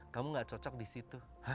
kamu gak cocok disitu